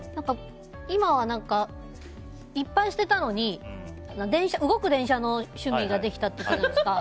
今は、いっぱい捨てたのに動く電車の趣味ができたって言ったじゃないですか。